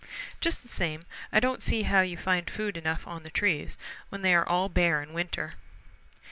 Just the same, I don't see how you find food enough on the trees when they are all bare in winter."